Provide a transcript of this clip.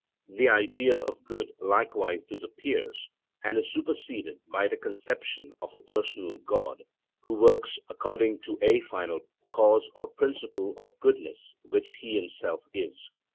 The IDEA of good likewise disappears and is superseded by the conception of a personal God, who works according to a final cause or principle of goodness which he himself is.